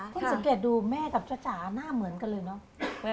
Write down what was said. คุณสังเกตดูแม่กับจ้าจ๋าหน้าเหมือนกันเลยเนอะ